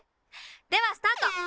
ではスタート！